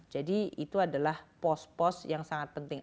jadi itu adalah pos pos yang sangat penting